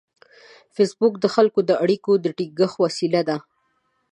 فېسبوک د خلکو د اړیکو د ټینګښت وسیله ده